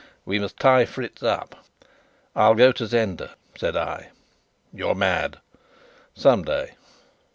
We must tie Fritz up." "I'll go to Zenda," said I. "You're mad." "Some day."